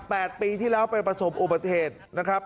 แปดปีที่แล้วไปประสบอุบัติเหตุนะครับ